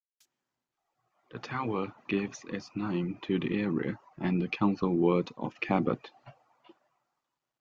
The tower gives its name to the area and Council ward of Cabot.